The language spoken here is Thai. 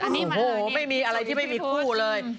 โอ้โหไม่มีอะไรที่ไม่มีคู่เลย